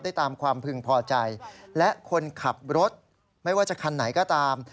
ตามความพึงพอใจและคนขับรถไม่ว่าจะคันไหนก็ตาม